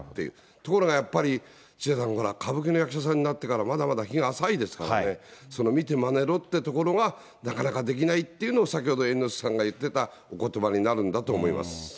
ところがやっぱり、中車さん、歌舞伎の役者さんになってから、まだまだ日が浅いですからね、見てまねろってところが、なかなかできないっていうのを、先ほど猿之助さんが言ってたおことばになるんだろうと思います。